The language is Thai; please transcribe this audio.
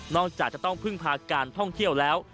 จากจะต้องพึ่งพาการท่องเที่ยวแล้ว